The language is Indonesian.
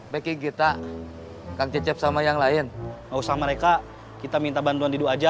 baik kita kan cecep sama yang lain usah mereka kita minta bantuan didu aja